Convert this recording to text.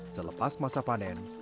selepas masa panen